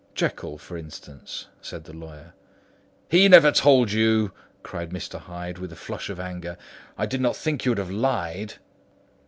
"Jekyll, for instance," said the lawyer. "He never told you," cried Mr. Hyde, with a flush of anger. "I did not think you would have lied."